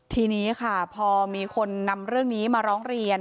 ทีนี้ค่ะพอมีคนนำเรื่องนี้มาร้องเรียน